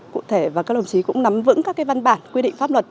cụ thể và các đồng chí cũng nắm vững các cái văn bản quy định pháp luật